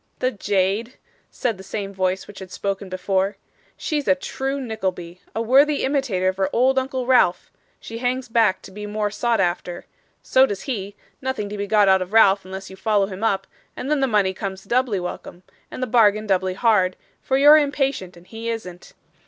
'The jade!' said the same voice which had spoken before. 'She's a true Nickleby a worthy imitator of her old uncle Ralph she hangs back to be more sought after so does he; nothing to be got out of Ralph unless you follow him up, and then the money comes doubly welcome, and the bargain doubly hard, for you're impatient and he isn't.